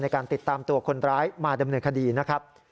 ในการติดตามตัวคนร้ายมาดำเนินคดีนะครับ